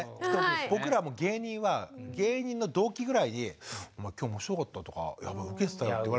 僕らも芸人は芸人の同期ぐらいに「お前今日面白かったよ」とか「お前ウケてたよ」って言われると。